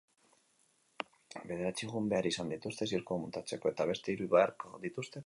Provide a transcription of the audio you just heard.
Bederatzi egun behar izan dituzte zirkua muntatzeko eta beste hiru beharko dituzte desmuntatzeko.